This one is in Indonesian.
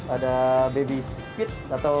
ada baby squid atau cumi bayinya